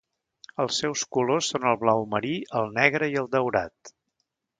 Els seus colors són el blau marí, el negre i el daurat.